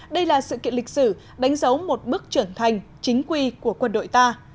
đây là sự kiện lịch sử đánh dấu một bước trưởng thành chính quy của quân đội ta